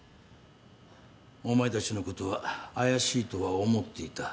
お前たちのことは怪しいとは思っていた。